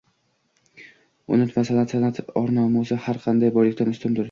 unutma, san’at san’at or-nomusi har qanday boylikdan ustundir.